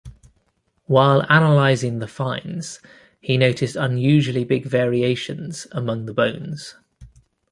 While analyzing the finds, he noticed unusually big variations among the bones.